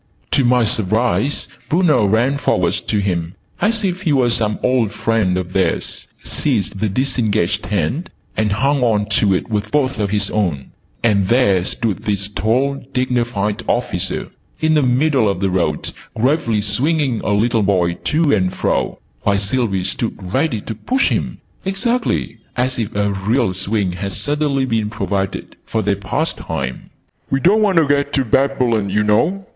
To my surprise, Bruno ran forwards to him, as if he were some old friend of theirs, seized the disengaged hand and hung on to it with both of his own: and there stood this tall dignified officer in the middle of the road, gravely swinging a little boy to and fro, while Sylvie stood ready to push him, exactly as if a real swing had suddenly been provided for their pastime. "We don't want to get to Babylon, oo know!"